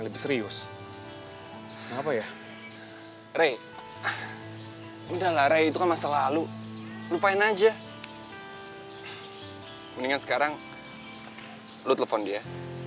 lebih serius apa ya rey udahlah itu masalah lu lupain aja mendingan sekarang lu telepon dia